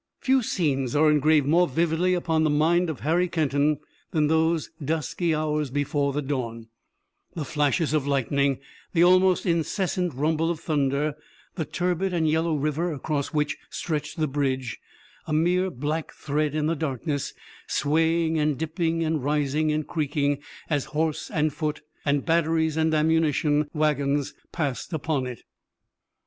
Few scenes are engraved more vividly upon the mind of Harry Kenton than those dusky hours before the dawn, the flashes of lightning, the almost incessant rumble of thunder, the turbid and yellow river across which stretched the bridge, a mere black thread in the darkness, swaying and dipping and rising and creaking as horse and foot, and batteries and ammunition wagons passed upon it.